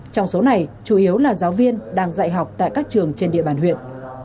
trong số này chủ yếu là giáo viên đang dạy học tại các trường trên địa bàn huyện